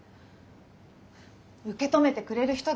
受け止めてくれる人だよ。